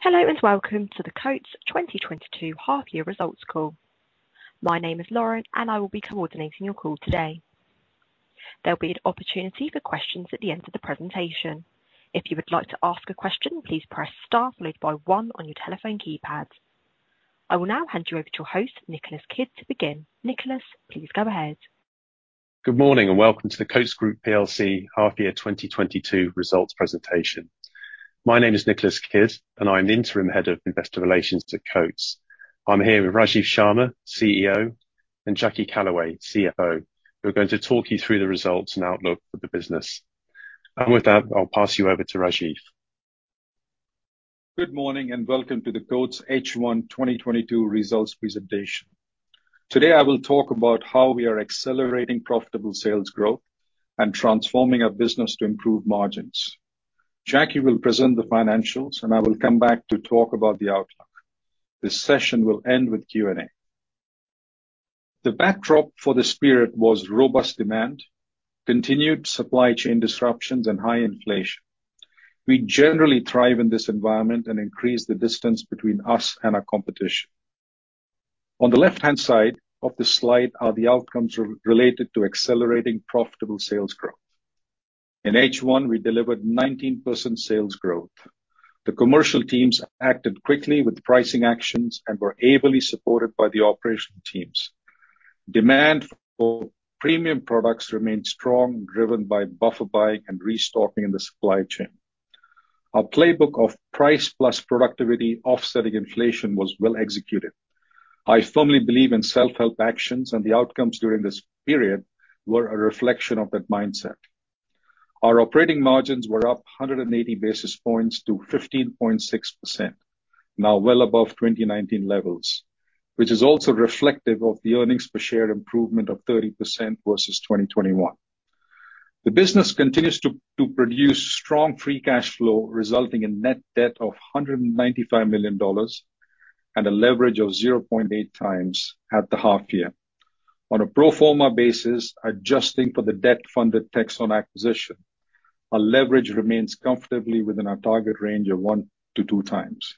Hello and welcome to the Coats 2022 Half Year Results Call. My name is Lauren, and I will be coordinating your call today. There'll be an opportunity for questions at the end of the presentation. If you would like to ask a question, please press star followed by one on your telephone keypad. I will now hand you over to your host, Nicholas Kidd, to begin. Nicholas, please go ahead. Good morning, and welcome to the Coats Group PLC half-year 2022 results presentation. My name is Nicholas Kidd and I'm the interim head of investor relations at Coats. I'm here with Rajiv Sharma, CEO, and Jackie Callaway, CFO, who are going to talk you through the results and outlook for the business. With that, I'll pass you over to Rajiv. Good morning, and welcome to the Coats H1 2022 results presentation. Today, I will talk about how we are accelerating profitable sales growth and transforming our business to improve margins. Jackie will present the financials, and I will come back to talk about the outlook. This session will end with Q&A. The backdrop for the period was robust demand, continued supply chain disruptions, and high inflation. We generally thrive in this environment and increase the distance between us and our competition. On the left-hand side of the slide are the outcomes related to accelerating profitable sales growth. In H1, we delivered 19% sales growth. The commercial teams acted quickly with pricing actions and were ably supported by the operational teams. Demand for premium products remained strong, driven by buffer buying and restocking in the supply chain. Our playbook of price plus productivity offsetting inflation was well executed. I firmly believe in self-help actions, and the outcomes during this period were a reflection of that mindset. Our operating margins were up 180 basis points to 15.6%, now well above 2019 levels, which is also reflective of the earnings per share improvement of 30% versus 2021. The business continues to produce strong free cash flow, resulting in net debt of $195 million and a leverage of 0.8 times at the half year. On a pro forma basis, adjusting for the debt-funded Texon acquisition, our leverage remains comfortably within our target range of 1-2 times.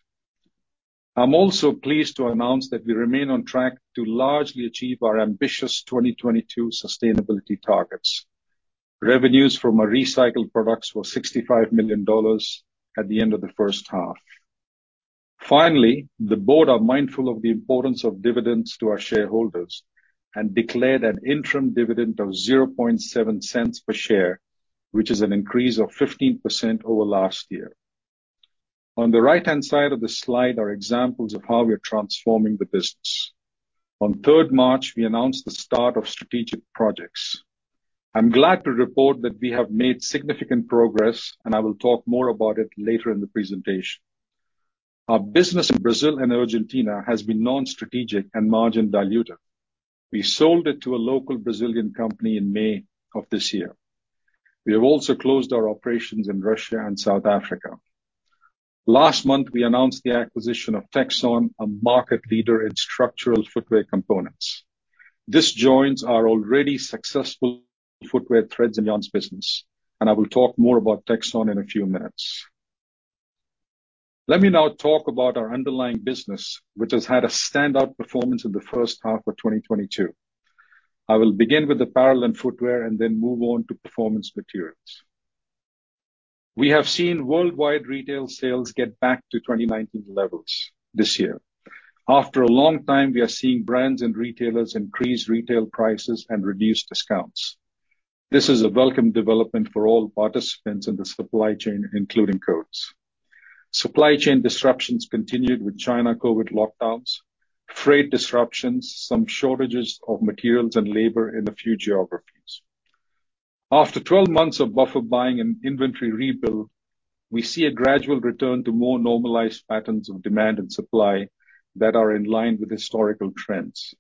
I'm also pleased to announce that we remain on track to largely achieve our ambitious 2022 sustainability targets. Revenues from our recycled products were $65 million at the end of the first half. Finally, the board are mindful of the importance of dividends to our shareholders and declared an interim dividend of $0.007 per share, which is an increase of 15% over last year. On the right-hand side of this slide are examples of how we are transforming the business. On March third, we announced the start of strategic projects. I'm glad to report that we have made significant progress, and I will talk more about it later in the presentation. Our business in Brazil and Argentina has been non-strategic and margin dilutive. We sold it to a local Brazilian company in May of this year. We have also closed our operations in Russia and South Africa. Last month, we announced the acquisition of Texon, a market leader in structural footwear components. This joins our already successful footwear threads and yarns business, and I will talk more about Texon in a few minutes. Let me now talk about our underlying business, which has had a standout performance in the first half of 2022. I will begin with Apparel and Footwear and then move on to Performance Materials. We have seen worldwide retail sales get back to 2019 levels this year. After a long time, we are seeing brands and retailers increase retail prices and reduce discounts. This is a welcome development for all participants in the supply chain, including Coats. Supply chain disruptions continued with China COVID lockdowns, freight disruptions, some shortages of materials and labor in a few geographies. After 12 months of buffer buying and inventory rebuild, we see a gradual return to more normalized patterns of demand and supply that are in line with historical trends.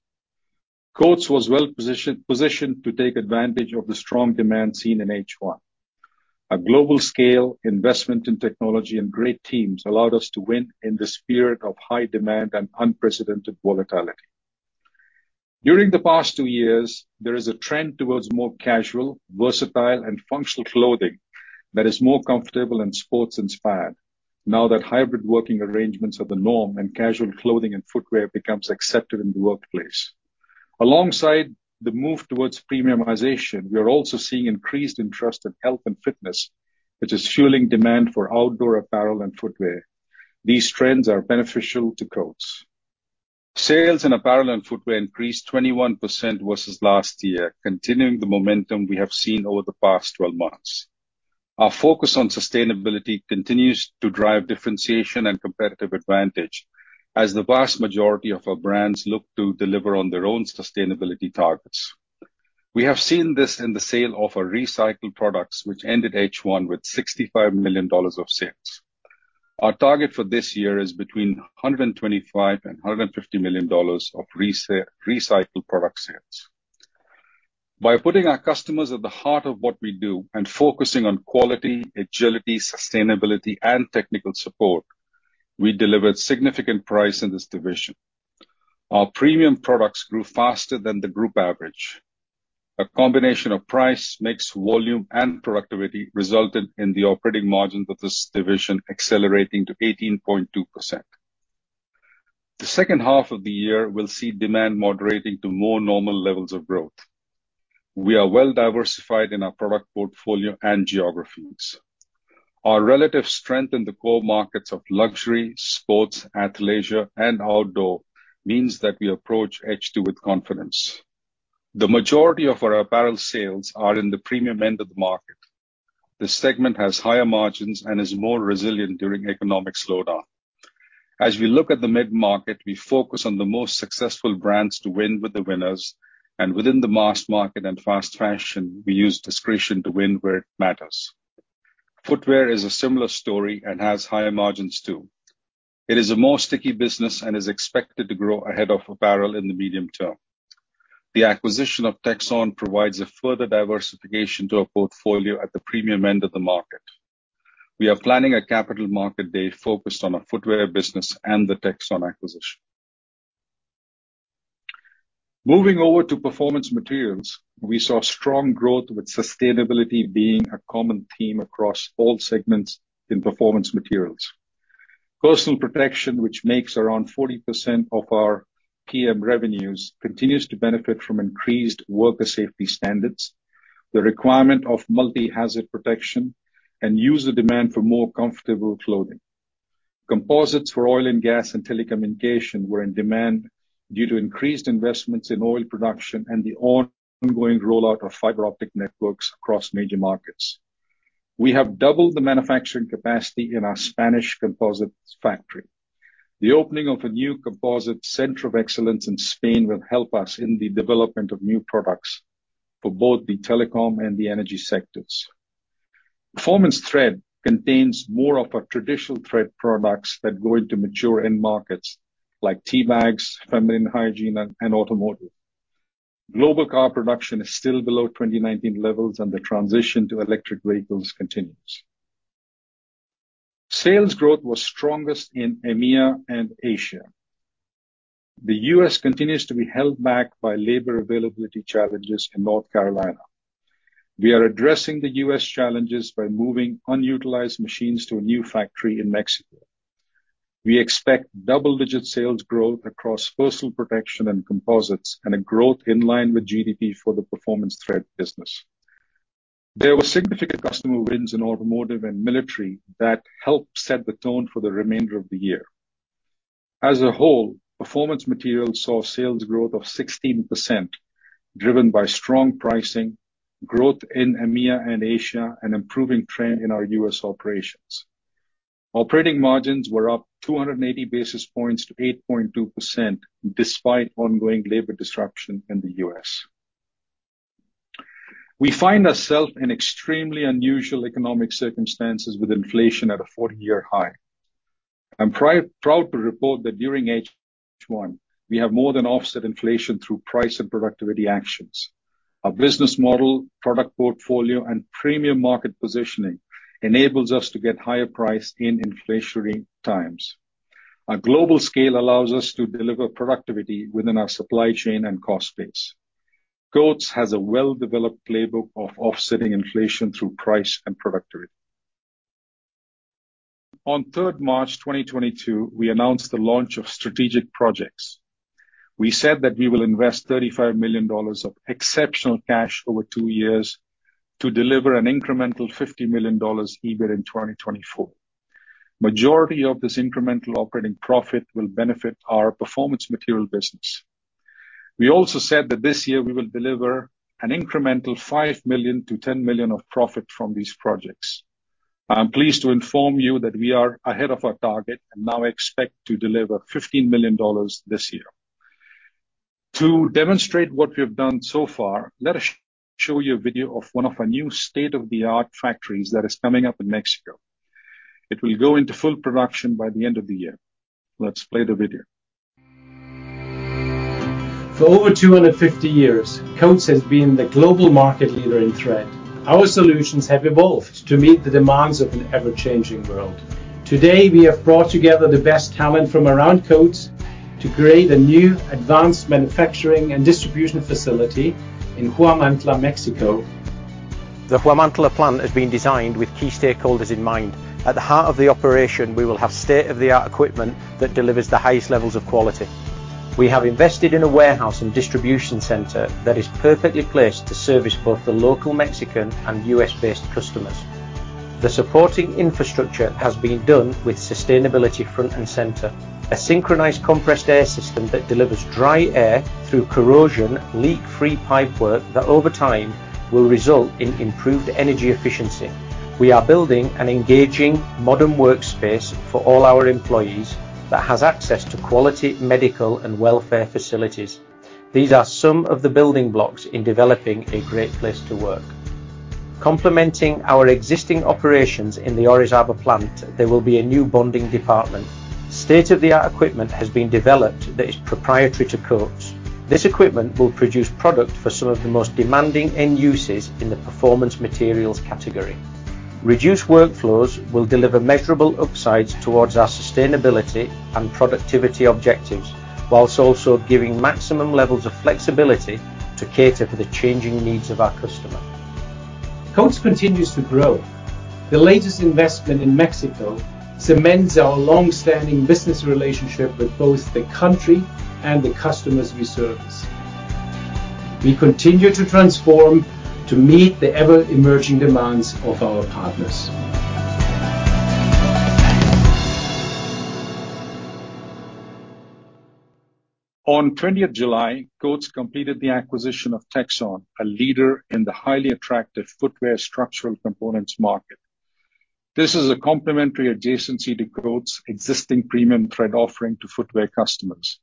Coats was well positioned to take advantage of the strong demand seen in H1. A global scale investment in technology and great teams allowed us to win in spite of high demand and unprecedented volatility. During the past two years, there is a trend towards more casual, versatile, and functional clothing that is more comfortable and sports inspired now that hybrid working arrangements are the norm and casual clothing and footwear becomes accepted in the workplace. Alongside the move towards premiumization, we are also seeing increased interest in health and fitness, which is fueling demand for outdoor Apparel and Footwear. These trends are beneficial to Coats. Sales in Apparel and Footwear increased 21% versus last year, continuing the momentum we have seen over the past 12 months. Our focus on sustainability continues to drive differentiation and competitive advantage as the vast majority of our brands look to deliver on their own sustainability targets. We have seen this in the sale of our recycled products which ended H1 with $65 million of sales. Our target for this year is between $125 million and $150 million of recycled product sales. By putting our customers at the heart of what we do and focusing on quality, agility, sustainability, and technical support, we delivered significant price in this division. Our premium products grew faster than the group average. A combination of price, mix, volume and productivity resulted in the operating margin of this division accelerating to 18.2%. The second half of the year will see demand moderating to more normal levels of growth. We are well-diversified in our product portfolio and geographies. Our relative strength in the core markets of luxury, sports, athleisure and outdoor means that we approach H2 with confidence. The majority of our apparel sales are in the premium end of the market. This segment has higher margins and is more resilient during economic slowdown. As we look at the mid-market, we focus on the most successful brands to win with the winners, and within the mass market and fast fashion, we use discretion to win where it matters. Footwear is a similar story and has higher margins too. It is a more sticky business and is expected to grow ahead of apparel in the medium term. The acquisition of Texon provides a further diversification to our portfolio at the premium end of the market. We are planning a capital market day focused on our footwear business and the Texon acquisition. Moving over to Performance Materials, we saw strong growth with sustainability being a common theme across all segments in Performance Materials. Personal Protection, which makes around 40% of our PM revenues, continues to benefit from increased worker safety standards, the requirement of multi-hazard protection and user demand for more comfortable clothing. Composites for oil and gas and telecommunications were in demand due to increased investments in oil production and the ongoing rollout of fiber optic networks across major markets. We have doubled the manufacturing capacity in our Spanish composites factory. The opening of a new Composite Center of Excellence in Spain will help us in the development of new products for both the telecom and the energy sectors. Performance Threads contains more of our traditional thread products that go into mature end markets like tea bags, feminine hygiene and automotive. Global car production is still below 2019 levels, and the transition to electric vehicles continues. Sales growth was strongest in EMEA and Asia. The U.S. continues to be held back by labor availability challenges in North Carolina. We are addressing the U.S. challenges by moving unutilized machines to a new factory in Mexico. We expect double-digit sales growth across Personal Protection and Composites, and a growth in line with GDP for the Performance Threads business. There were significant customer wins in automotive and military that helped set the tone for the remainder of the year. As a whole, Performance Materials saw sales growth of 16%, driven by strong pricing, growth in EMEA and Asia, and improving trend in our U.S. operations. Operating margins were up 280 basis points to 8.2% despite ongoing labor disruption in the U.S. We find ourselves in extremely unusual economic circumstances with inflation at a 40-year high. I'm proud to report that during H1, we have more than offset inflation through price and productivity actions. Our business model, product portfolio and premium market positioning enables us to get higher price in inflationary times. Our global scale allows us to deliver productivity within our supply chain and cost base. Coats has a well-developed playbook of offsetting inflation through price and productivity. On 3 March 2022, we announced the launch of strategic projects. We said that we will invest $35 million of exceptional cash over two years to deliver an incremental $50 million EBIT in 2024. Majority of this incremental operating profit will benefit our Performance Materials business. We also said that this year we will deliver an incremental $5 million-$10 million of profit from these projects. I am pleased to inform you that we are ahead of our target and now expect to deliver $15 million this year. To demonstrate what we have done so far, let us show you a video of one of our new state-of-the-art factories that is coming up in Mexico. It will go into full production by the end of the year. Let's play the video. For over 250 years, Coats has been the global market leader in thread. Our solutions have evolved to meet the demands of an ever-changing world. Today, we have brought together the best talent from around Coats to create a new advanced manufacturing and distribution facility in Huamantla, Mexico. The Huamantla plant has been designed with key stakeholders in mind. At the heart of the operation, we will have state-of-the-art equipment that delivers the highest levels of quality. We have invested in a warehouse and distribution center that is perfectly placed to service both the local Mexican and U.S.-based customers. The supporting infrastructure has been done with sustainability front and center. A synchronized compressed air system that delivers dry air through corrosion leak-free pipework that over time will result in improved energy efficiency. We are building an engaging modern workspace for all our employees that has access to quality medical and welfare facilities. These are some of the building blocks in developing a great place to work. Complementing our existing operations in the Orizaba plant, there will be a new bonding department. State-of-the-art equipment has been developed that is proprietary to Coats. This equipment will produce product for some of the most demanding end uses in the Performance Materials category. Reduced workflows will deliver measurable upsides towards our sustainability and productivity objectives, whilst also giving maximum levels of flexibility to cater for the changing needs of our customer. Coats continues to grow. The latest investment in Mexico cements our long-standing business relationship with both the country and the customers we service. We continue to transform to meet the ever-emerging demands of our partners. On 20 July, Coats completed the acquisition of Texon, a leader in the highly attractive footwear structural components market. This is a complementary adjacency to Coats' existing premium thread offering to footwear customers.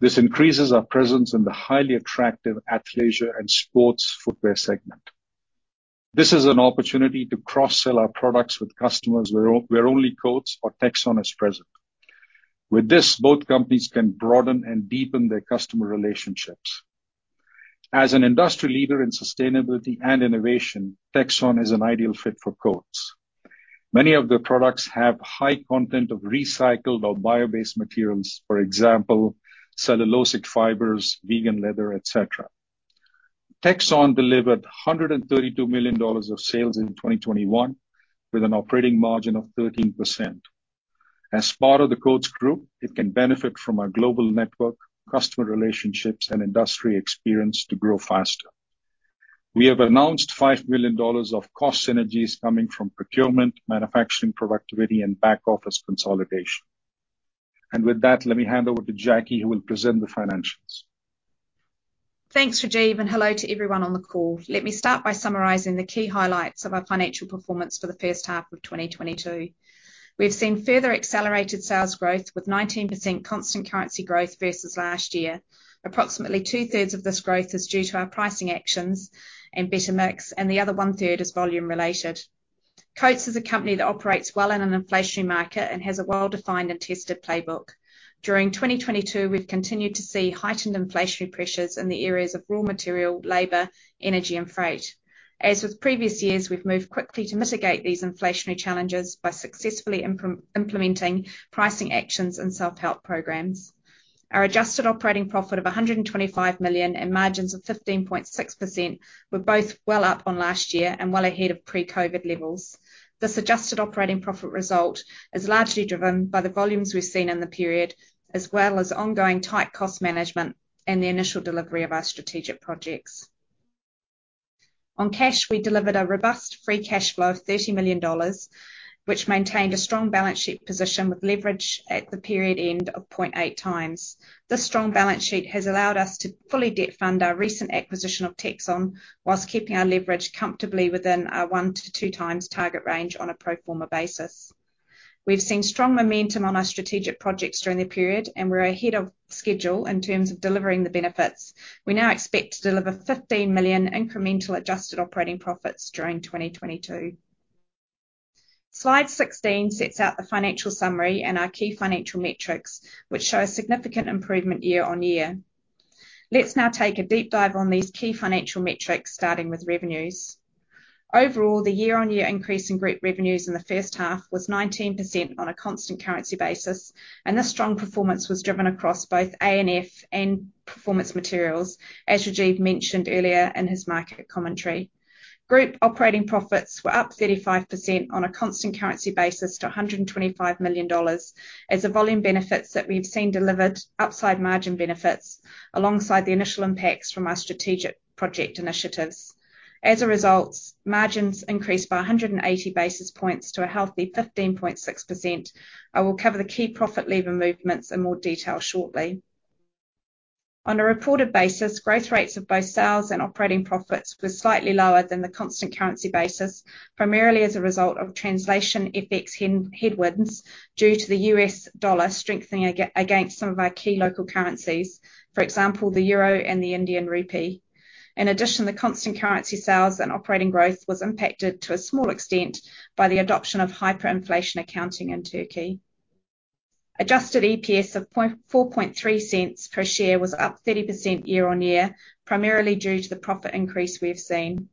This increases our presence in the highly attractive athleisure and sports footwear segment. This is an opportunity to cross-sell our products with customers where only Coats or Texon is present. With this, both companies can broaden and deepen their customer relationships. As an industry leader in sustainability and innovation, Texon is an ideal fit for Coats. Many of their products have high content of recycled or bio-based materials, for example, cellulosic fibers, vegan leather, et cetera. Texon delivered $132 million of sales in 2021, with an operating margin of 13%. As part of the Coats Group, it can benefit from our global network, customer relationships, and industry experience to grow faster. We have announced $5 million of cost synergies coming from procurement, manufacturing productivity, and back office consolidation. With that, let me hand over to Jackie who will present the financials. Thanks, Rajiv, and hello to everyone on the call. Let me start by summarizing the key highlights of our financial performance for the first half of 2022. We've seen further accelerated sales growth with 19% constant currency growth versus last year. Approximately two-thirds of this growth is due to our pricing actions and better mix, and the other one-third is volume related. Coats is a company that operates well in an inflationary market and has a well-defined and tested playbook. During 2022, we've continued to see heightened inflationary pressures in the areas of raw material, labor, energy, and freight. As with previous years, we've moved quickly to mitigate these inflationary challenges by successfully implementing pricing actions and self-help programs. Our adjusted operating profit of $125 million and margins of 15.6% were both well up on last year and well ahead of pre-COVID levels. This adjusted operating profit result is largely driven by the volumes we've seen in the period, as well as ongoing tight cost management and the initial delivery of our strategic projects. On cash, we delivered a robust free cash flow of $30 million, which maintained a strong balance sheet position with leverage at the period end of 0.8 times. This strong balance sheet has allowed us to fully debt fund our recent acquisition of Texon whilst keeping our leverage comfortably within our 1-2 times target range on a pro forma basis. We've seen strong momentum on our strategic projects during the period, and we're ahead of schedule in terms of delivering the benefits. We now expect to deliver $15 million incremental adjusted operating profits during 2022. Slide 16 sets out the financial summary and our key financial metrics, which show a significant improvement year-on-year. Let's now take a deep dive on these key financial metrics, starting with revenues. Overall, the year-on-year increase in group revenues in the first half was 19% on a constant currency basis, and this strong performance was driven across both A&F and Performance Materials, as Rajiv mentioned earlier in his market commentary. Group operating profits were up 35% on a constant currency basis to $125 million as the volume benefits that we've seen delivered upside margin benefits alongside the initial impacts from our strategic project initiatives. As a result, margins increased by 180 basis points to a healthy 15.6%. I will cover the key profit lever movements in more detail shortly. On a reported basis, growth rates of both sales and operating profits were slightly lower than the constant currency basis, primarily as a result of translation effects headwinds due to the U.S. dollar strengthening against some of our key local currencies, for example, the euro and the Indian rupee. In addition, the constant currency sales and operating growth was impacted to a small extent by the adoption of hyperinflation accounting in Turkey. Adjusted EPS of $0.043 per share was up 30% year-on-year, primarily due to the profit increase we have seen.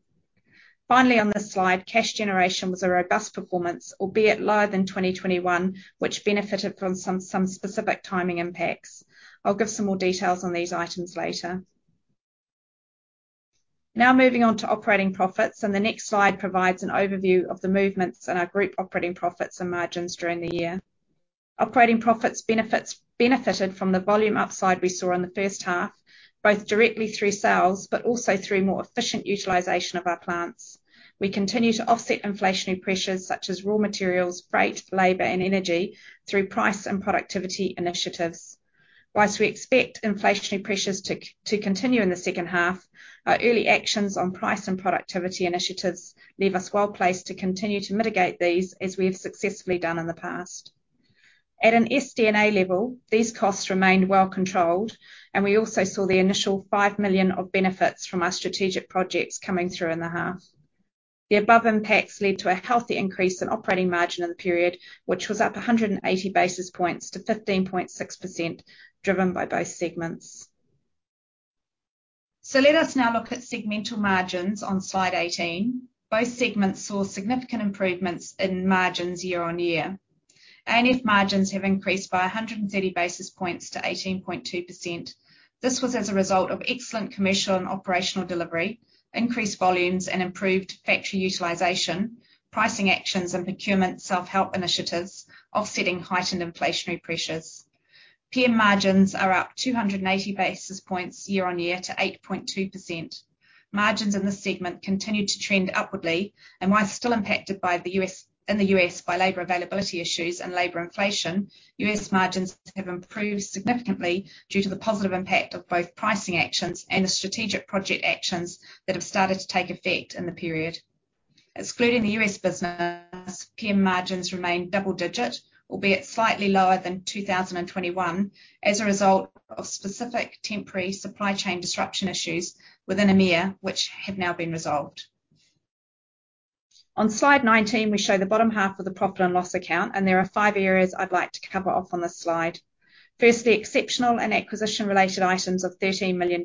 Finally, on this slide, cash generation was a robust performance, albeit lower than 2021, which benefited from some specific timing impacts. I'll give some more details on these items later. Now moving on to operating profits, and the next slide provides an overview of the movements in our group operating profits and margins during the year. Operating profits benefited from the volume upside we saw in the first half, both directly through sales but also through more efficient utilization of our plants. We continue to offset inflationary pressures such as raw materials, freight, labor, and energy through price and productivity initiatives. While we expect inflationary pressures to continue in the second half, our early actions on price and productivity initiatives leave us well placed to continue to mitigate these as we have successfully done in the past. At an SD&A level, these costs remained well controlled, and we also saw the initial $5 million of benefits from our strategic projects coming through in the half. The above impacts led to a healthy increase in operating margin in the period, which was up 180 basis points to 15.6%, driven by both segments. Let us now look at segmental margins on slide 18. Both segments saw significant improvements in margins year-over-year. A&F margins have increased by 130 basis points to 18.2%. This was as a result of excellent commercial and operational delivery, increased volumes and improved factory utilization, pricing actions and procurement self-help initiatives, offsetting heightened inflationary pressures. PM margins are up 280 basis points year-over-year to 8.2%. Margins in this segment continue to trend upwardly, and while still impacted in the U.S. by labor availability issues and labor inflation, U.S. margins have improved significantly due to the positive impact of both pricing actions and the strategic project actions that have started to take effect in the period. Excluding the U.S. Business, PM margins remain double digit, albeit slightly lower than 2021 as a result of specific temporary supply chain disruption issues within EMEA, which have now been resolved. On slide 19, we show the bottom half of the profit and loss account, and there are five areas I'd like to cover off on this slide. Firstly, exceptional and acquisition-related items of $13 million,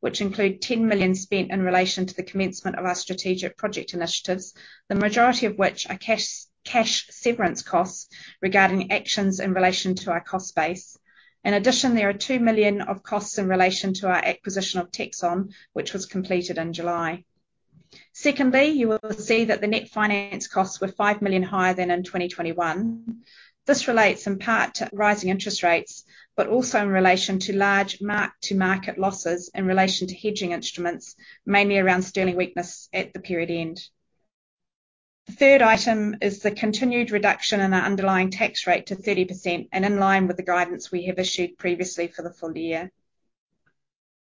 which include $10 million spent in relation to the commencement of our strategic project initiatives, the majority of which are cash severance costs regarding actions in relation to our cost base. In addition, there are $2 million of costs in relation to our acquisition of Texon, which was completed in July. Secondly, you will see that the net finance costs were $5 million higher than in 2021. This relates in part to rising interest rates, but also in relation to large mark-to-market losses in relation to hedging instruments, mainly around sterling weakness at the period end. The third item is the continued reduction in our underlying tax rate to 30% and in line with the guidance we have issued previously for the full year.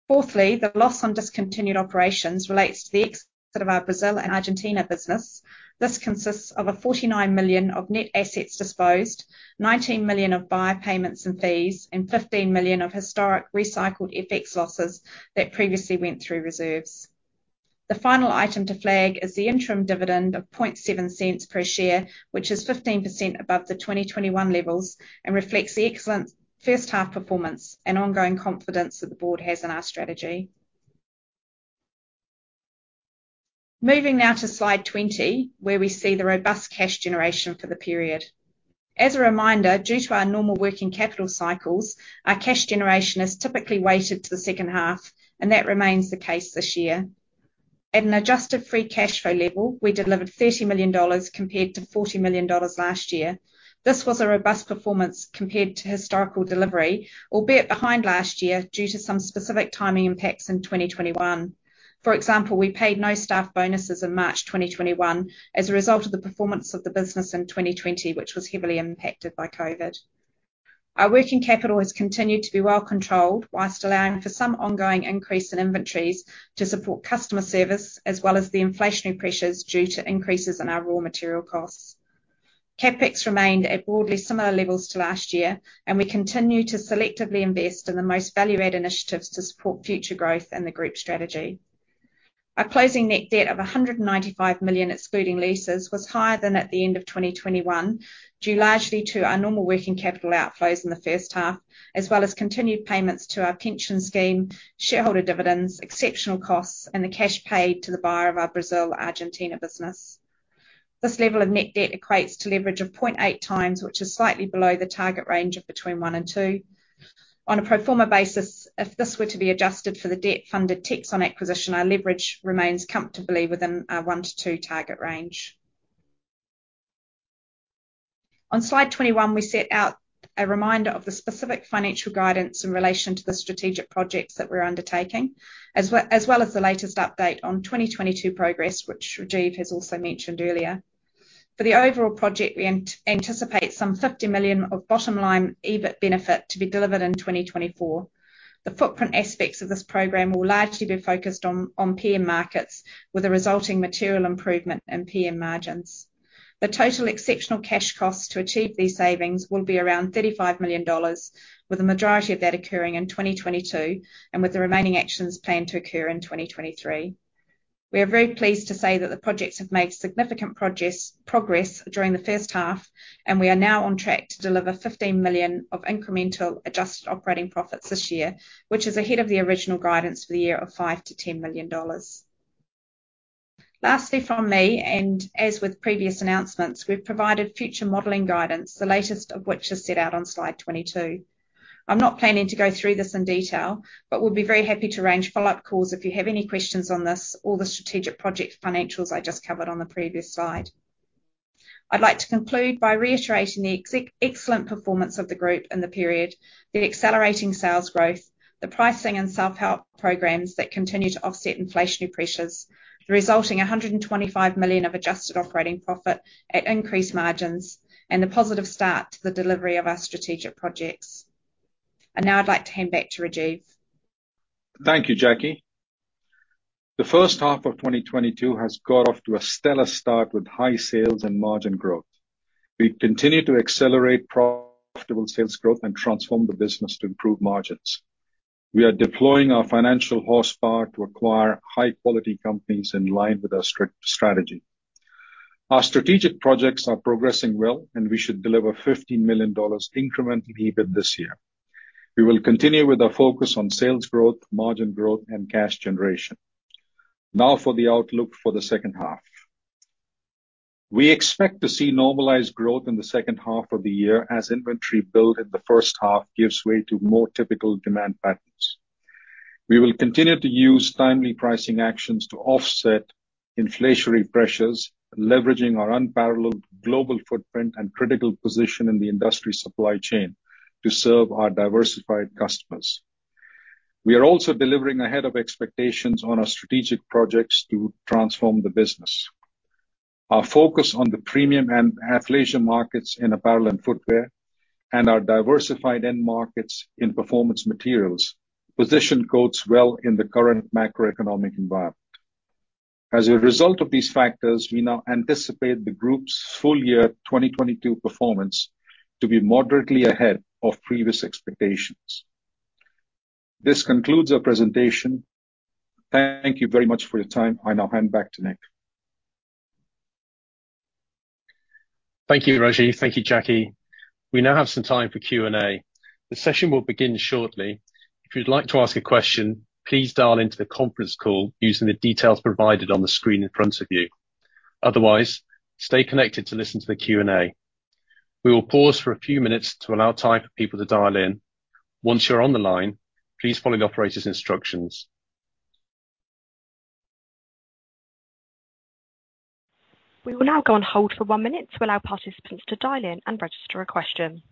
Fourthly, the loss on discontinued operations relates to the exit of our Brazil and Argentina business. This consists of $49 million of net assets disposed, $19 million of buyer payments and fees, and $15 million of historic recycled FX losses that previously went through reserves. The final item to flag is the interim dividend of $0.007 per share, which is 15% above the 2021 levels, and reflects the excellent first half performance and ongoing confidence that the board has in our strategy. Moving now to slide 20, where we see the robust cash generation for the period. As a reminder, due to our normal working capital cycles, our cash generation is typically weighted to the second half, and that remains the case this year. At an adjusted free cash flow level, we delivered $30 million compared to $40 million last year. This was a robust performance compared to historical delivery, albeit behind last year due to some specific timing impacts in 2021. For example, we paid no staff bonuses in March 2021 as a result of the performance of the business in 2020, which was heavily impacted by COVID. Our working capital has continued to be well-controlled while allowing for some ongoing increase in inventories to support customer service as well as the inflationary pressures due to increases in our raw material costs. CapEx remained at broadly similar levels to last year, and we continue to selectively invest in the most value-add initiatives to support future growth in the group strategy. Our closing net debt of $195 million, excluding leases, was higher than at the end of 2021, due largely to our normal working capital outflows in the first half, as well as continued payments to our pension scheme, shareholder dividends, exceptional costs, and the cash paid to the buyer of our Brazil-Argentina business. This level of net debt equates to leverage of 0.8x, which is slightly below the target range of between one and two. On a pro forma basis, if this were to be adjusted for the debt-funded Texon acquisition, our leverage remains comfortably within our one to two target range. On slide 21, we set out a reminder of the specific financial guidance in relation to the strategic projects that we're undertaking, as well as the latest update on 2022 progress, which Rajiv has also mentioned earlier. For the overall project, we anticipate some $50 million of bottom-line EBIT benefit to be delivered in 2024. The footprint aspects of this program will largely be focused on PM markets, with a resulting material improvement in PM margins. The total exceptional cash costs to achieve these savings will be around $35 million, with the majority of that occurring in 2022, and with the remaining actions planned to occur in 2023. We are very pleased to say that the projects have made significant progress during the first half, and we are now on track to deliver $15 million of incremental adjusted operating profits this year, which is ahead of the original guidance for the year of $5 million-$10 million. Lastly from me, as with previous announcements, we've provided future modeling guidance, the latest of which is set out on slide 22. I'm not planning to go through this in detail, but we'll be very happy to arrange follow-up calls if you have any questions on this or the strategic project financials I just covered on the previous slide. I'd like to conclude by reiterating the excellent performance of the group in the period, the accelerating sales growth, the pricing and self-help programs that continue to offset inflationary pressures, the resulting $125 million of adjusted operating profit at increased margins, and the positive start to the delivery of our strategic projects. Now I'd like to hand back to Rajiv. Thank you, Jackie. The first half of 2022 has got off to a stellar start with high sales and margin growth. We continue to accelerate profitable sales growth and transform the business to improve margins. We are deploying our financial horsepower to acquire high-quality companies in line with our strict strategy. Our strategic projects are progressing well, and we should deliver $15 million incremental EBIT this year. We will continue with our focus on sales growth, margin growth, and cash generation. Now for the outlook for the second half. We expect to see normalized growth in the second half of the year as inventory build in the first half gives way to more typical demand patterns. We will continue to use timely pricing actions to offset inflationary pressures, leveraging our unparalleled global footprint and critical position in the industry supply chain to serve our diversified customers. We are also delivering ahead of expectations on our strategic projects to transform the business. Our focus on the premium and athleisure markets in Apparel and Footwear and our diversified end markets in Performance Materials position Coats well in the current macroeconomic environment. As a result of these factors, we now anticipate the group's full year 2022 performance to be moderately ahead of previous expectations. This concludes our presentation. Thank you very much for your time. I now hand back to Nick. Thank you, Rajiv. Thank you, Jackie. We now have some time for Q&A. The session will begin shortly. If you'd like to ask a question, please dial into the conference call using the details provided on the screen in front of you. Otherwise, stay connected to listen to the Q&A. We will pause for a few minutes to allow time for people to dial in. Once you're on the line, please follow the operator's instructions. We will now go on hold for one minute to allow participants to dial in and register a question.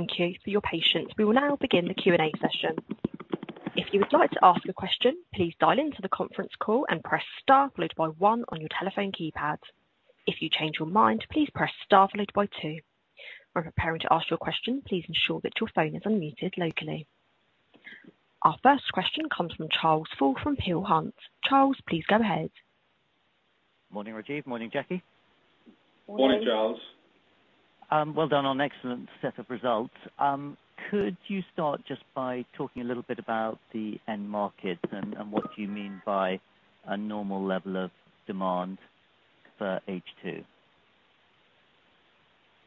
Thank you for your patience. We will now begin the Q&A session. If you would like to ask a question, please dial into the conference call and press star followed by one on your telephone keypad. If you change your mind, please press star followed by two. When preparing to ask your question, please ensure that your phone is unmuted locally. Our first question comes from Charles Hall from Peel Hunt. Charles, please go ahead. Morning, Rajiv. Morning, Jackie. Morning, Charles. Well done on excellent set of results. Could you start just by talking a little bit about the end markets and what you mean by a normal level of demand for H2?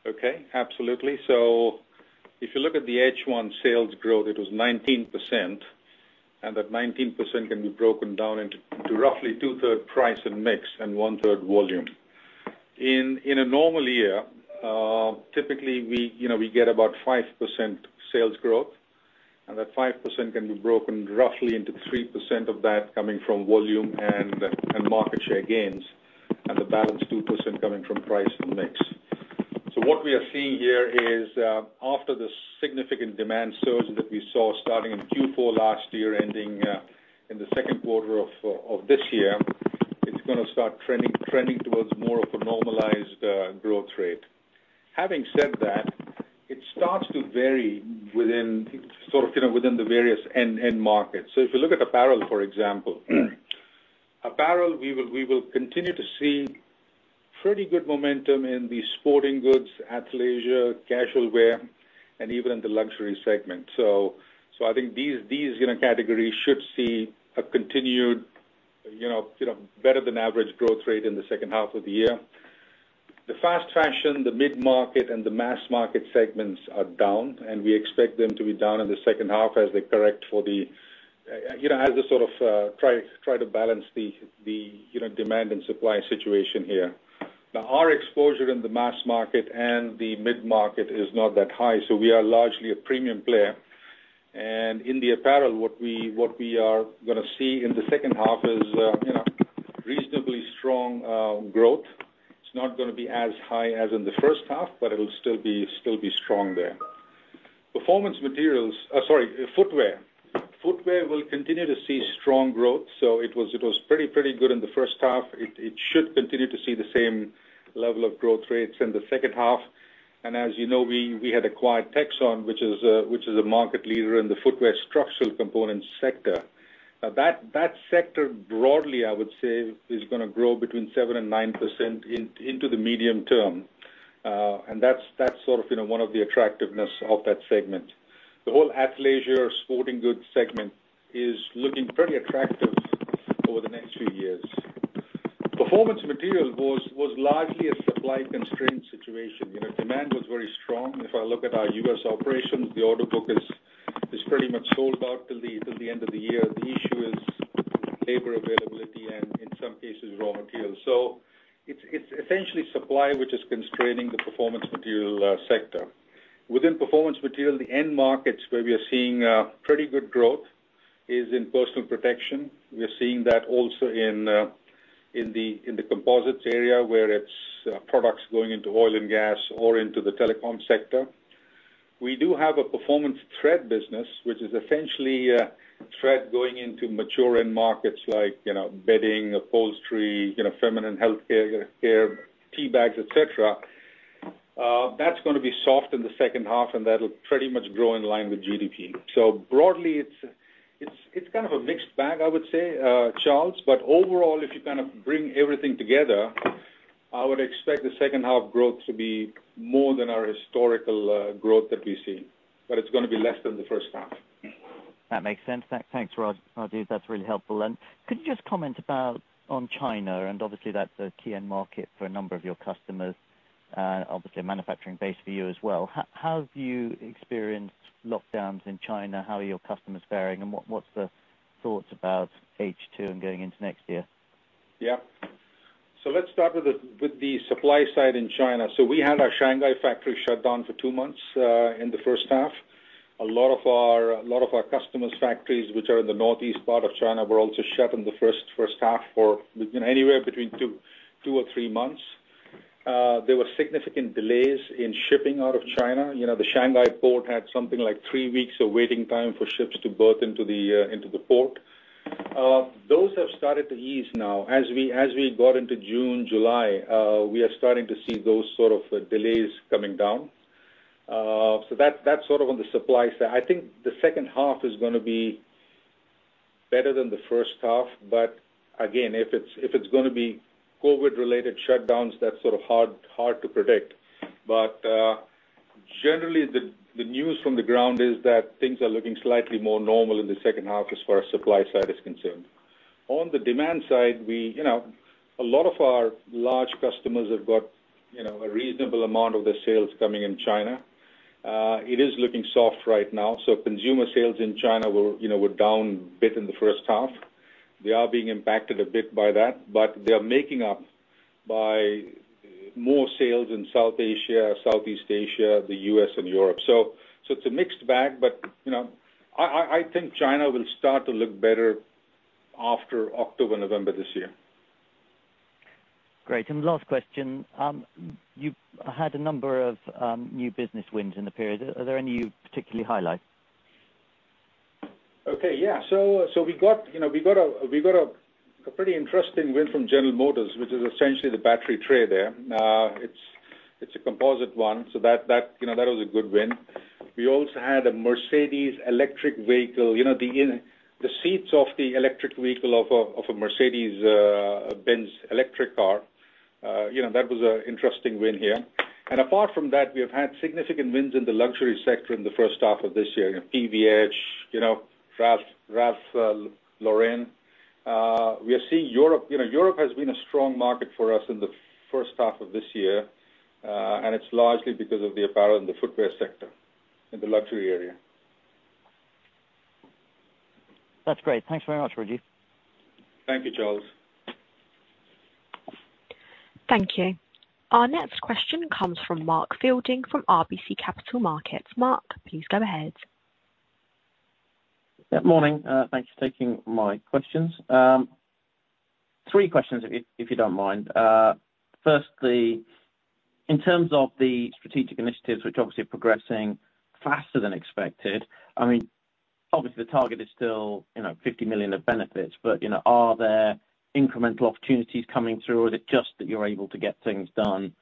Okay, absolutely. If you look at the H1 sales growth, it was 19%, and that 19% can be broken down into roughly 2/3 price and mix and 1/3 volume. In a normal year, typically, you know, we get about 5% sales growth, and that 5% can be broken roughly into 3% of that coming from volume and market share gains, and the balance 2% coming from price and mix. What we are seeing here is, after the significant demand surge that we saw starting in Q4 last year, ending in the second quarter of this year, it's gonna start trending towards more of a normalized growth rate. Having said that, it starts to vary within sort of, you know, within the various end markets. If you look at apparel, for example. Apparel, we will continue to see pretty good momentum in the sporting goods, athleisure, casual wear, and even in the luxury segment. I think these, you know, categories should see a continued, you know, better than average growth rate in the second half of the year. The fast fashion, the mid-market, and the mass market segments are down, and we expect them to be down in the second half as they correct for the, you know, as they sort of try to balance the, you know, demand and supply situation here. Now, our exposure in the mass market and the mid-market is not that high, so we are largely a premium player. In the apparel, what we are gonna see in the second half is, you know, reasonably strong growth. It's not gonna be as high as in the first half, but it'll still be strong there. Performance Materials, sorry, footwear. Footwear will continue to see strong growth, so it was pretty good in the first half. It should continue to see the same level of growth rates in the second half. As you know, we had acquired Texon, which is a market leader in the footwear structural component sector. Now, that sector, broadly, I would say, is gonna grow between 7% and 9% into the medium term. That's sort of, you know, one of the attractiveness of that segment. The whole athleisure sporting goods segment is looking pretty attractive over the next few years. Performance Materials was largely a supply constraint situation. You know, demand was very strong. If I look at our U.S. operations, the order book is pretty much sold out till the end of the year. The issue is labor availability, and in some cases, raw materials. It's essentially supply which is constraining the Performance Materials sector. Within Performance Materials, the end markets where we are seeing pretty good growth is in Personal Protection. We are seeing that also in the Composites area, where it's products going into oil and gas or into the telecom sector. We do have a Performance Threads business, which is essentially a thread going into mature end markets like, you know, bedding, upholstery, you know, feminine healthcare, tea bags, et cetera. That's gonna be soft in the second half, and that'll pretty much grow in line with GDP. Broadly, it's kind of a mixed bag, I would say, Charles. Overall, if you kind of bring everything together, I would expect the second half growth to be more than our historical growth that we've seen. It's gonna be less than the first half. That makes sense. Thanks, Rajiv. That's really helpful. Could you just comment on China? Obviously, that's a key end market for a number of your customers. Obviously, a manufacturing base for you as well. How have you experienced lockdowns in China? How are your customers faring, and what's the thoughts about H2 and going into next year? Yeah. Let's start with the supply side in China. We had our Shanghai factory shut down for two months in the first half. A lot of our customers' factories which are in the northeast part of China were also shut in the first half for, you know, anywhere between two or three months. There were significant delays in shipping out of China. You know, the Shanghai port had something like three weeks of waiting time for ships to berth into the port. Those have started to ease now. As we got into June, July, we are starting to see those sort of delays coming down. That, that's sort of on the supply side. I think the second half is gonna be better than the first half, but again, if it's gonna be COVID-related shutdowns, that's sort of hard to predict. Generally, the news from the ground is that things are looking slightly more normal in the second half as far as supply side is concerned. On the demand side, you know, a lot of our large customers have got, you know, a reasonable amount of their sales coming in China. It is looking soft right now, so consumer sales in China were, you know, down a bit in the first half. They are being impacted a bit by that, but they are making up by more sales in South Asia, Southeast Asia, the U.S. and Europe. it's a mixed bag, but, you know, I think China will start to look better after October, November this year. Great. Last question. You've had a number of new business wins in the period. Are there any you'd particularly highlight? We got, you know, a pretty interesting win from General Motors, which is essentially the battery tray there. It's a composite one, so that, you know, that was a good win. We also had a Mercedes electric vehicle. You know, the seats of the electric vehicle of a Mercedes-Benz electric car. You know, that was an interesting win here. Apart from that, we have had significant wins in the luxury sector in the first half of this year. You know, PVH, you know, Ralph Lauren. We are seeing Europe. You know, Europe has been a strong market for us in the first half of this year, and it's largely because of the apparel and the footwear sector in the luxury area. That's great. Thanks very much, Rajiv. Thank you, Charles. Thank you. Our next question comes from Mark Fielding from RBC Capital Markets. Mark, please go ahead. Yeah. Morning. Thank you for taking my questions. Three questions if you don't mind. Firstly, in terms of the strategic initiatives, which obviously are progressing faster than expected, I mean, obviously the target is still, you know, $50 million of benefits, but, you know, are there incremental opportunities coming through, or is it just that you're able to get things done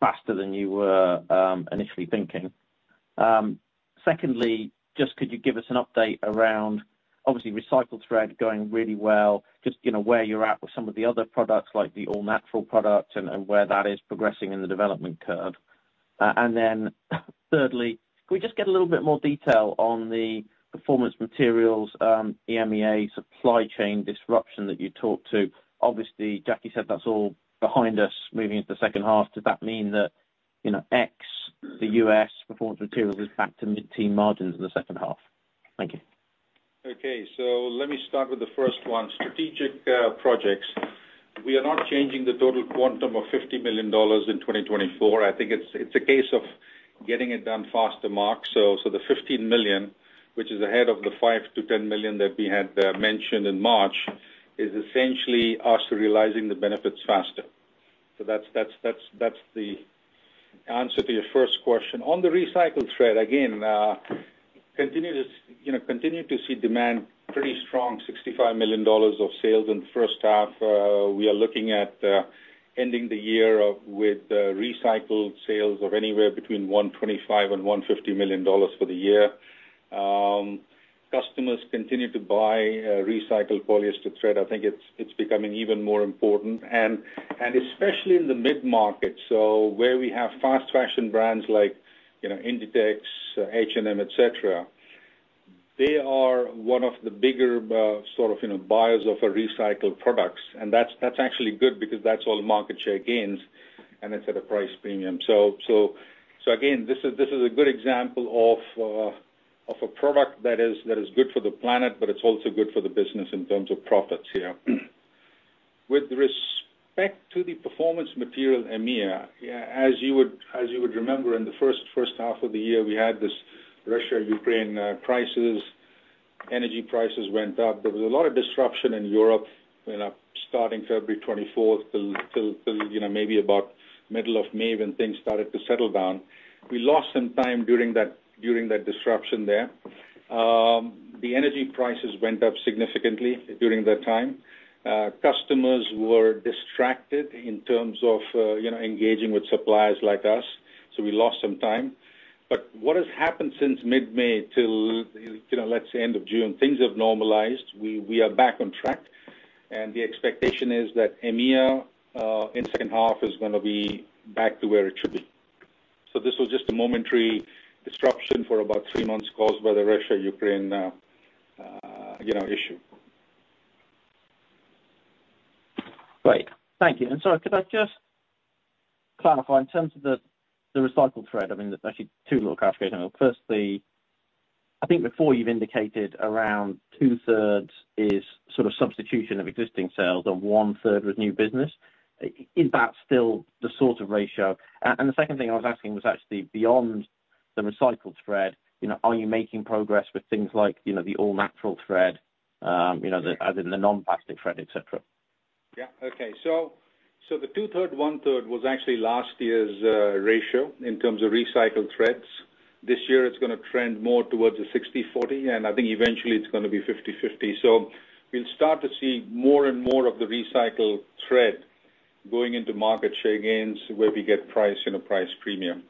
faster than you were initially thinking? Secondly, just could you give us an update around, obviously, recycled thread going really well, just, you know, where you're at with some of the other products, like the all-natural product and where that is progressing in the development curve. And then thirdly, can we just get a little bit more detail on the Performance Materials EMEA supply chain disruption that you talked about? Obviously, Jackie said that's all behind us moving into the second half. Does that mean that, you know, ex the U.S. Performance Materials is back to mid-teen margins in the second half? Thank you. Let me start with the first one, strategic projects. We are not changing the total quantum of $50 million in 2024. I think it's a case of getting it done faster, Mark. So the $15 million, which is ahead of the $5 million-$10 million that we had mentioned in March, is essentially us realizing the benefits faster. That's the answer to your first question. On the recycled thread, again, you know, continue to see demand pretty strong, $65 million of sales in the first half. We are looking at ending the year with recycled sales of anywhere between $125 million and $150 million for the year. Customers continue to buy recycled polyester thread. I think it's becoming even more important and especially in the mid-market. Where we have fast fashion brands like, you know, Inditex, H&M, et cetera, they are one of the bigger, sort of, you know, buyers of our recycled products. That's actually good because that's all market share gains, and it's at a price premium. Again, this is a good example of a product that is good for the planet, but it's also good for the business in terms of profits here. With respect to the Performance Materials EMEA, as you would remember in the first half of the year, we had this Russia-Ukraine prices. Energy prices went up. There was a lot of disruption in Europe, you know, starting February 24th till you know, maybe about middle of May when things started to settle down. We lost some time during that disruption there. The energy prices went up significantly during that time. Customers were distracted in terms of, you know, engaging with suppliers like us, so we lost some time. What has happened since mid-May till, you know, let's say end of June, things have normalized. We are back on track. The expectation is that EMEA in second half is gonna be back to where it should be. This was just a momentary disruption for about three months caused by the Russia-Ukraine, you know, issue. Great. Thank you. Sorry, could I just clarify in terms of the recycled thread? I mean, actually two little clarifications. Firstly, I think before you've indicated around two-thirds is sort of substitution of existing sales and one-third was new business. Is that still the sort of ratio? And the second thing I was asking was actually beyond the recycled thread, you know, are you making progress with things like, you know, the all-natural thread, you know, the as in the non-plastic thread, et cetera? The 2/3, 1/3 was actually last year's ratio in terms of recycled threads. This year it's gonna trend more towards the 60/40, and I think eventually it's gonna be 50/50. We'll start to see more and more of the recycled thread going into market share gains where we get price and a price premium.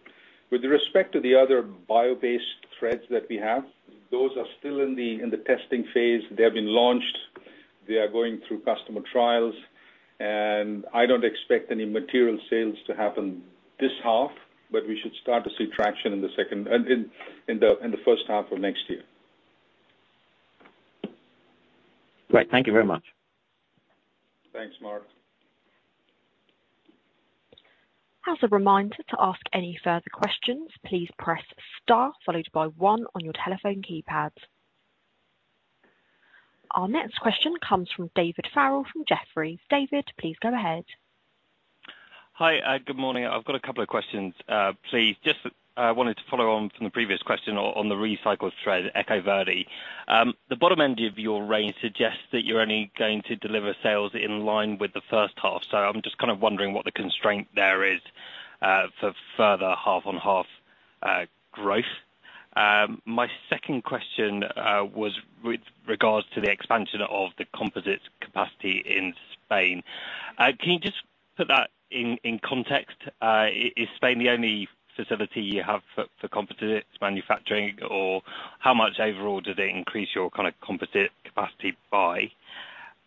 With respect to the other bio-based threads that we have, those are still in the testing phase. They have been launched. They are going through customer trials. I don't expect any material sales to happen this half, but we should start to see traction in the first half of next year. Great. Thank you very much. Thanks, Mark. As a reminder to ask any further questions, please press star followed by one on your telephone keypads. Our next question comes from David Farrell from Jefferies. David, please go ahead. Hi, good morning. I've got a couple of questions, please. Just wanted to follow on from the previous question on the recycled thread, EcoVerde. The bottom end of your range suggests that you're only going to deliver sales in line with the first half. I'm just kind of wondering what the constraint there is for further half-on-half growth. My second question was with regards to the expansion of the composites capacity in Spain. Can you just put that in context? Is Spain the only facility you have for composites manufacturing or how much overall do they increase your kind of composite capacity by?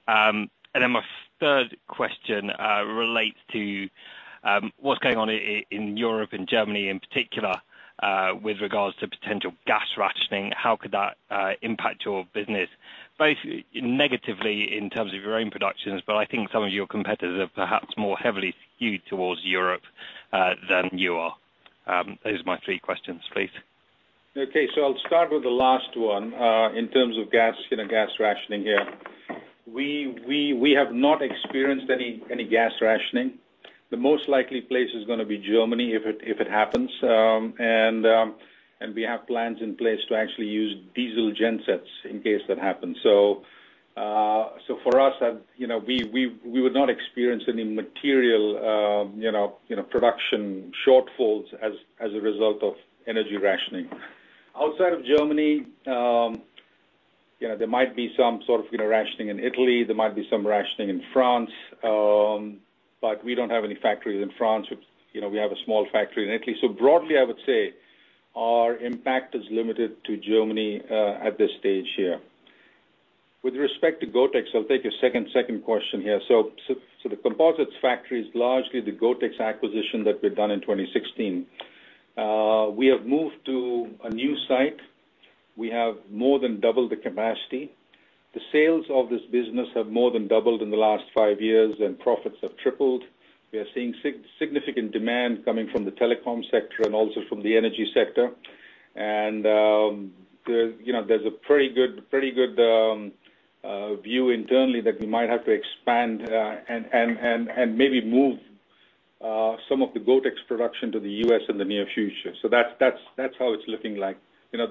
My third question relates to what's going on in Europe and Germany in particular with regards to potential gas rationing. How could that impact your business, both negatively in terms of your own productions, but I think some of your competitors are perhaps more heavily skewed towards Europe, than you are. Those are my three questions, please. Okay. I'll start with the last one, in terms of gas, you know, gas rationing here. We have not experienced any gas rationing. The most likely place is gonna be Germany if it happens. We have plans in place to actually use diesel gensets in case that happens. For us, you know, we would not experience any material production shortfalls as a result of energy rationing. Outside of Germany, you know, there might be some sort of rationing in Italy. There might be some rationing in France. We don't have any factories in France. You know, we have a small factory in Italy. Broadly, I would say our impact is limited to Germany at this stage here. With respect to Gotex, I'll take your second question here. The Composites factory is largely the Gotex acquisition that we've done in 2016. We have moved to a new site. We have more than doubled the capacity. The sales of this business have more than doubled in the last five years, and profits have tripled. We are seeing significant demand coming from the telecom sector and also from the energy sector. There's you know a pretty good view internally that we might have to expand and maybe move some of the Gotex production to the U.S. in the near future. That's how it's looking like. You know,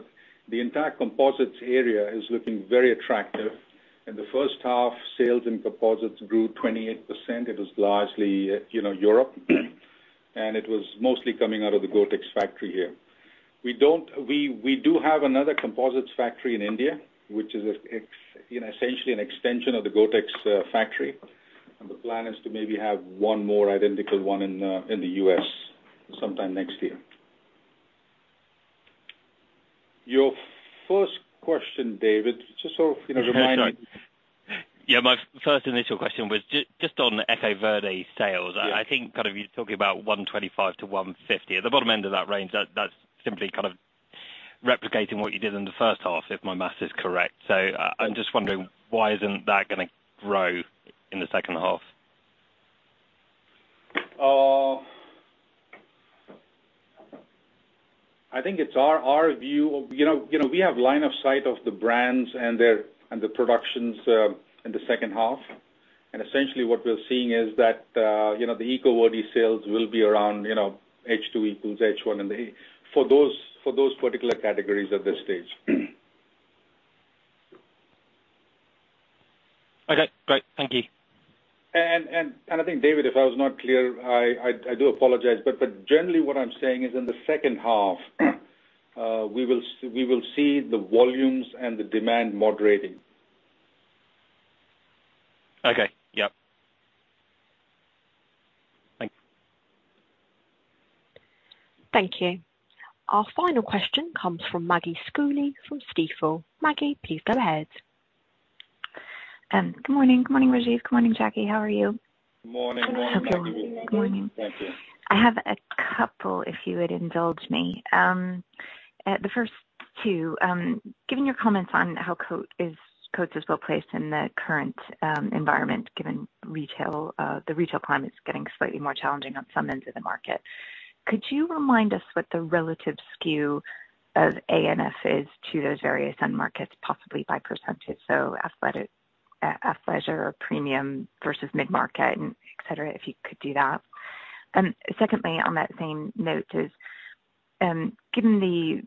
the entire Composites area is looking very attractive. In the first half, sales in Composites grew 28%. It was largely, you know, Europe, and it was mostly coming out of the Gotex factory here. We do have another Composites factory in India, which is essentially an extension of the Gotex factory. The plan is to maybe have one more identical one in the U.S. sometime next year. Your first question, David, just so, you know, remind me. Sorry. Yeah, my first initial question was just on EcoVerde sales. Yes. I think kind of you're talking about $125 million-$150 million. At the bottom end of that range, that's simply kind of replicating what you did in the first half, if my math is correct. I'm just wondering why isn't that gonna grow in the second half? I think it's our view. You know, we have line of sight of the brands and their productions in the second half. Essentially what we're seeing is that, you know, the EcoVerde sales will be around, you know, H2 equals H1. For those particular categories at this stage. Okay, great. Thank you. I think, David, if I was not clear, I do apologize. But generally what I'm saying is in the second half, we will see the volumes and the demand moderating. Okay. Yep. Thanks. Thank you. Our final question comes from Maggie Schooley from Stifel. Maggie, please go ahead. Good morning. Good morning, Rajiv. Good morning, Jackie. How are you? Good morning, Maggie. Good morning. I have a couple, if you would indulge me. The first two, given your comments on how Coats is well-placed in the current environment, given retail, the retail climate is getting slightly more challenging on some ends of the market. Could you remind us what the relative skew of A&F is to those various end markets, possibly by percentage, so athletic, athleisure or premium versus mid-market and et cetera, if you could do that. Secondly, on that same note, given the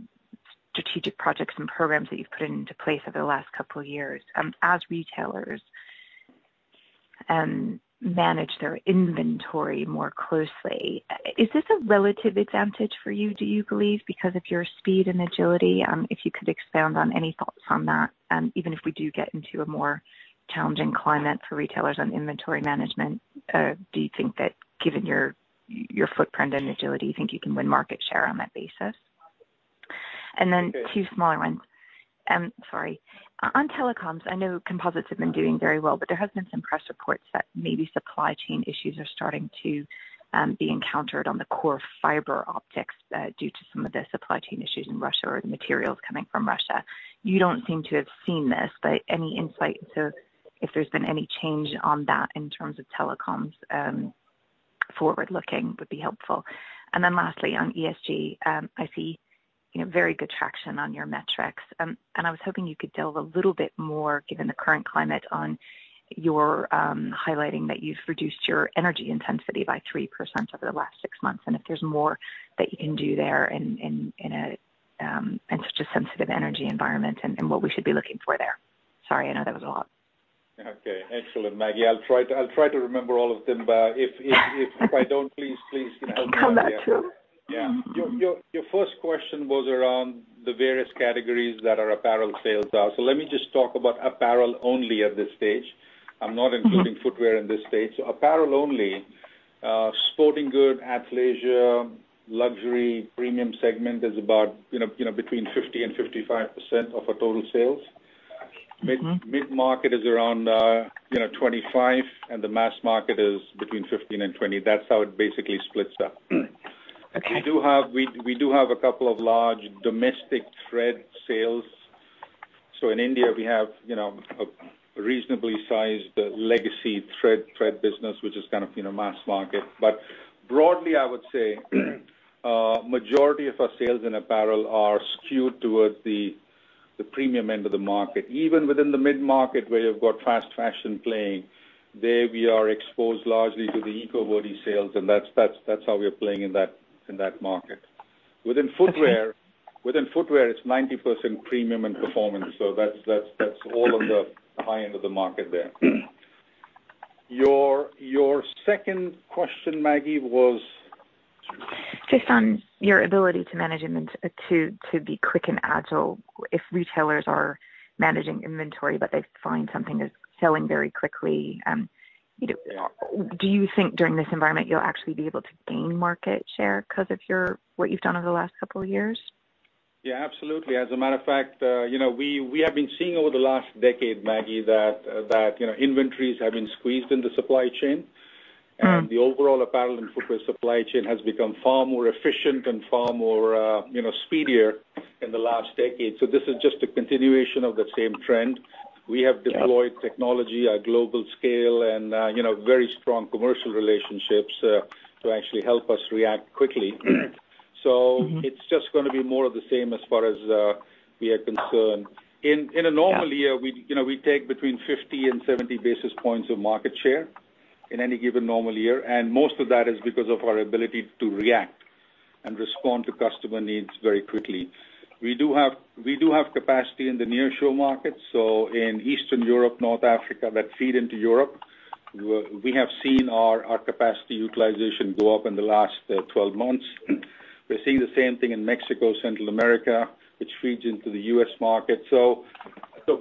strategic projects and programs that you've put into place over the last couple of years, as retailers manage their inventory more closely, is this a relative advantage for you, do you believe, because of your speed and agility? If you could expand on any thoughts on that, even if we do get into a more challenging climate for retailers on inventory management, do you think that given your footprint and agility, you think you can win market share on that basis? Two smaller ones. Sorry. On telecoms, I know Composites have been doing very well, but there has been some press reports that maybe supply chain issues are starting to be encountered on the core fiber optics, due to some of the supply chain issues in Russia or materials coming from Russia. You don't seem to have seen this, but any insight into if there's been any change on that in terms of telecoms, forward-looking would be helpful. Lastly, on ESG, I see, you know, very good traction on your metrics. I was hoping you could delve a little bit more, given the current climate, on your highlighting that you've reduced your energy intensity by 3% over the last six months, and if there's more that you can do there in a sensitive energy environment and what we should be looking for there. Sorry, I know that was a lot. Okay. Excellent, Maggie. I'll try to remember all of them. If I don't, please, you know, help me out there. I'll come back to them. Yeah. Your first question was around the various categories that our apparel sales are. Let me just talk about apparel only at this stage. I'm not including footwear in this stage. Apparel only, sporting goods, athleisure, luxury, premium segment is about, you know, between 50% and 55% of our total sales. Mid-market is around, you know, 25%, and the mass market is between 15% and 20%. That's how it basically splits up. Okay. We do have a couple of large domestic thread sales. In India, we have you know a reasonably sized legacy thread business which is kind of you know mass market. But broadly I would say majority of our sales in apparel are skewed towards the premium end of the market. Even within the mid-market where you've got fast fashion playing there we are exposed largely to the EcoVerde sales and that's how we are playing in that market. Within footwear it's 90% premium and performance. That's all of the high end of the market there. Your second question Maggie was? Just on your ability to manage to be quick and agile if retailers are managing inventory, but they find something is selling very quickly, you know, do you think during this environment you'll actually be able to gain market share 'cause of what you've done over the last couple of years? Yeah, absolutely. As a matter of fact, you know, we have been seeing over the last decade, Maggie, that you know, inventories have been squeezed in the supply chain. The overall Apparel and Footwear supply chain has become far more efficient and far more, you know, speedier in the last decade. This is just a continuation of the same trend. Yeah. We have deployed technology at global scale and, you know, very strong commercial relationships, to actually help us react quickly. It's just gonna be more of the same as far as we are concerned. Yeah. In a normal year, we take between 50 and 70 basis points of market share in any given normal year, and most of that is because of our ability to react and respond to customer needs very quickly. We have capacity in the near shore market, so in Eastern Europe, North Africa, that feed into Europe. We have seen our capacity utilization go up in the last 12 months. We're seeing the same thing in Mexico, Central America, which feeds into the U.S. market.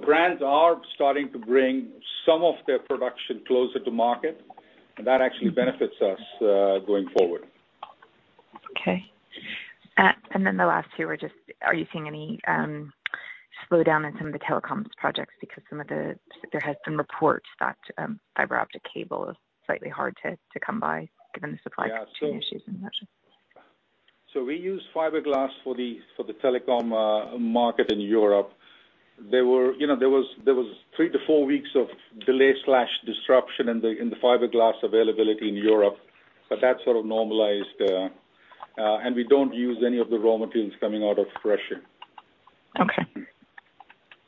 Brands are starting to bring some of their production closer to market, and that actually benefits us going forward. Okay. The last two are just, are you seeing any slowdown in some of the telecoms projects because there has been reports that fiber optic cable is slightly hard to come by given the supply chain issues in Russia? We use fiberglass for the telecom market in Europe. There were three to four weeks of delay slash disruption in the fiberglass availability in Europe, but that sort of normalized, and we don't use any of the raw materials coming out of Russia. Okay.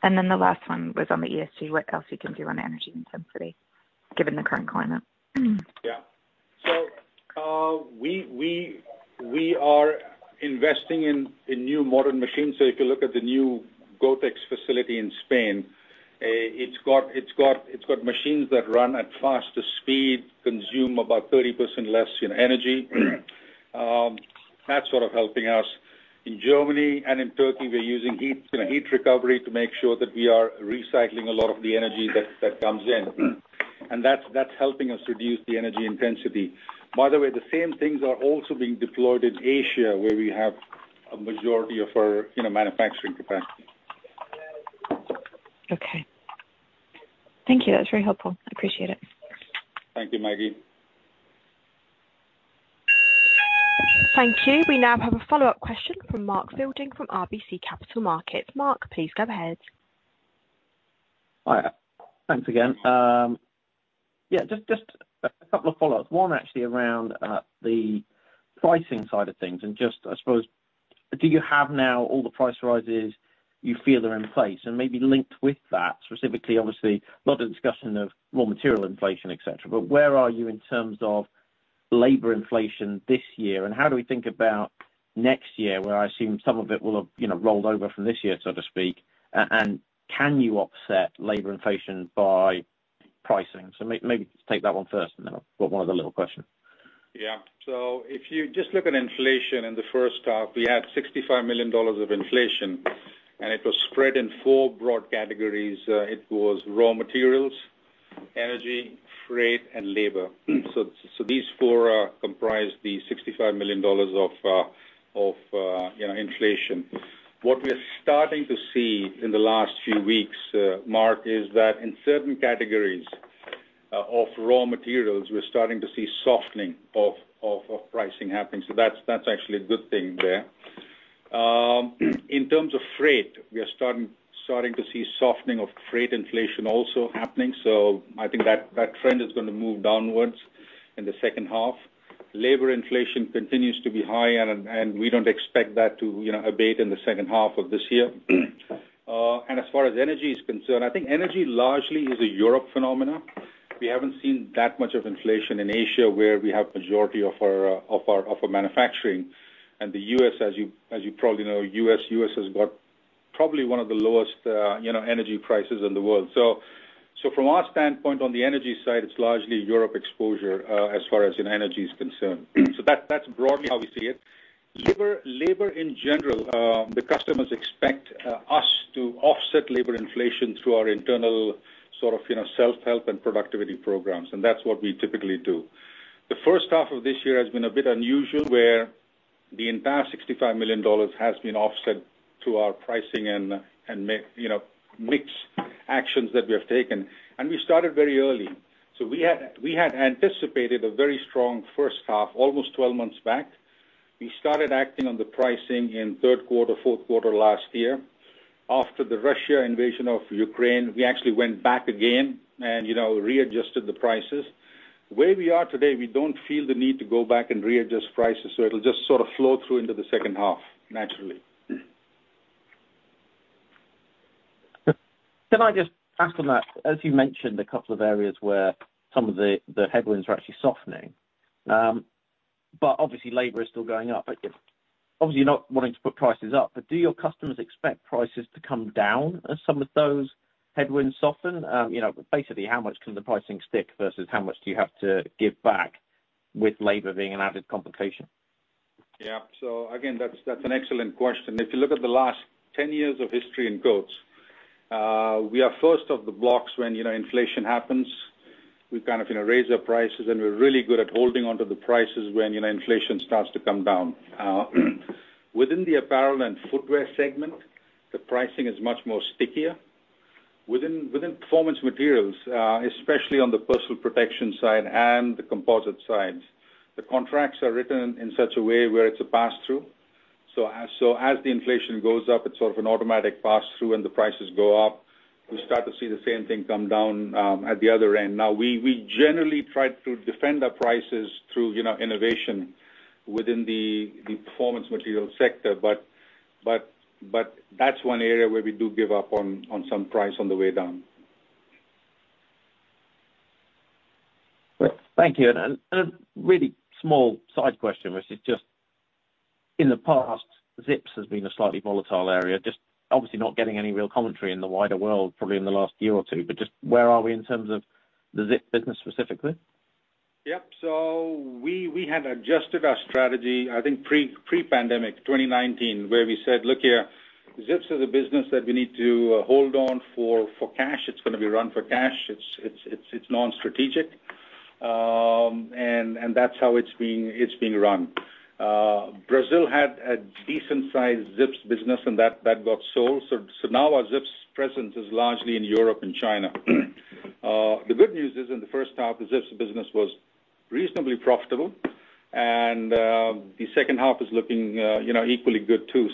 The last one was on the ESG. What else you can do on energy intensity given the current climate? Yeah. We are investing in new modern machines. If you look at the new Gotex facility in Spain, it's got machines that run at faster speed, consume about 30% less, you know, energy. That's sort of helping us. In Germany and in Turkey, we're using heat recovery to make sure that we are recycling a lot of the energy that comes in. That's helping us reduce the energy intensity. By the way, the same things are also being deployed in Asia, where we have a majority of our, you know, manufacturing capacity. Okay. Thank you. That's very helpful. I appreciate it. Thank you, Maggie. Thank you. We now have a follow-up question from Mark Fielding from RBC Capital Markets. Mark, please go ahead. Hi. Thanks again. Just a couple of follow-ups. One actually around the pricing side of things and just I suppose do you have now all the price rises you feel are in place? Maybe linked with that, specifically obviously a lot of discussion of raw material inflation, et cetera, but where are you in terms of labor inflation this year, and how do we think about next year, where I assume some of it will have, you know, rolled over from this year, so to speak, and can you offset labor inflation by pricing? Maybe take that one first, and then I've got one other little question. Yeah. If you just look at inflation in the first half, we had $65 million of inflation, and it was spread in four broad categories. It was raw materials, energy, freight, and labor. These four comprise the $65 million of inflation. What we're starting to see in the last few weeks, Mark, is that in certain categories of raw materials, we're starting to see softening of pricing happening. That's actually a good thing there. In terms of freight, we are starting to see softening of freight inflation also happening. I think that trend is gonna move downwards in the second half. Labor inflation continues to be high and we don't expect that to abate in the second half of this year. As far as energy is concerned, I think energy largely is a Europe phenomenon. We haven't seen that much of inflation in Asia, where we have majority of our manufacturing. The U.S., as you probably know, U.S. has got probably one of the lowest, you know, energy prices in the world. From our standpoint on the energy side, it's largely Europe exposure, as far as, you know, energy is concerned. That's broadly how we see it. Labor in general, the customers expect us to offset labor inflation through our internal sort of, you know, self-help and productivity programs, and that's what we typically do. The first half of this year has been a bit unusual, where the entire $65 million has been offset through our pricing and you know, mix actions that we have taken. We started very early. We had anticipated a very strong first half, almost 12 months back. We started acting on the pricing in third quarter, fourth quarter last year. After the Russian invasion of Ukraine, we actually went back again and you know, readjusted the prices. Where we are today, we don't feel the need to go back and readjust prices, so it'll just sort of flow through into the second half naturally. Can I just ask on that? As you mentioned a couple of areas where some of the headwinds are actually softening. Obviously labor is still going up. Obviously, you're not wanting to put prices up, but do your customers expect prices to come down as some of those headwinds soften? You know, basically how much can the pricing stick versus how much do you have to give back with labor being an added complication? Yeah. Again, that's an excellent question. If you look at the last 10 years of history in Coats, we are first off the blocks when, you know, inflation happens. We kind of, you know, raise our prices, and we're really good at holding onto the prices when, you know, inflation starts to come down. Within the Apparel and Footwear segment, the pricing is much more stickier. Within Performance Materials, especially on the Personal Protection side and the Composites sides, the contracts are written in such a way where it's a passthrough. So as the inflation goes up, it's sort of an automatic passthrough, and the prices go up. We start to see the same thing come down at the other end. Now we generally try to defend our prices through, you know, innovation within the Performance Materials sector, but that's one area where we do give up on some price on the way down. Thank you. A really small side question, which is just in the past, Zips has been a slightly volatile area, just obviously not getting any real commentary in the wider world, probably in the last year or two. Just where are we in terms of the Zip business specifically? Yep. We had adjusted our strategy, I think pre-pandemic, 2019, where we said, "Look here, Zips is a business that we need to hold on for cash. It's gonna be run for cash. It's non-strategic." That's how it's being run. Brazil had a decent sized Zips business and that got sold. Now our Zips presence is largely in Europe and China. The good news is in the first half, the Zips business was reasonably profitable, and the second half is looking, you know, equally good too.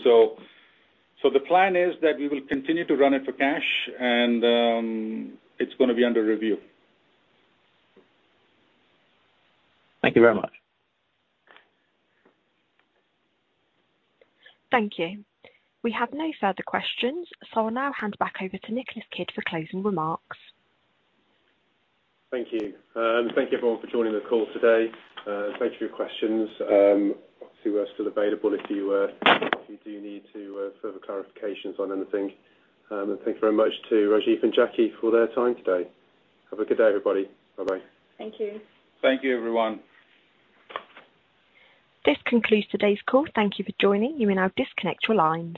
The plan is that we will continue to run it for cash and it's gonna be under review. Thank you very much. Thank you. We have no further questions, so I'll now hand back over to Nicholas Kidd for closing remarks. Thank you. Thank you everyone for joining the call today. Thank you for your questions. Obviously we're still available if you do need to further clarifications on anything. Thank you very much to Rajiv and Jacqui for their time today. Have a good day, everybody. Bye-bye. Thank you. Thank you, everyone. This concludes today's call. Thank you for joining. You may now disconnect your lines.